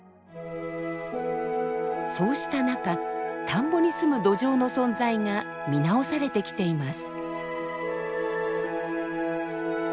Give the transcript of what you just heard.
そうした中田んぼにすむドジョウの存在が見直されてきています。